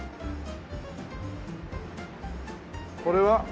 これは？